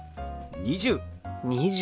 「２０」。